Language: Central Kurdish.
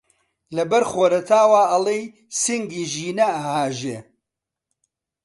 لەبەر خۆرەتاوا ئەڵێی سینگی ژینە ئەهاژێ